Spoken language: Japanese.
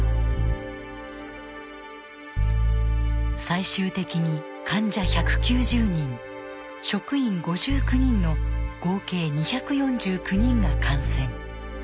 最終的に患者１９０人職員５９人の合計２４９人が感染。